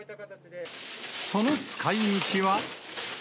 その使いみちは。